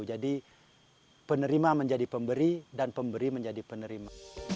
penerima menjadi pemberi dan pemberi menjadi penerima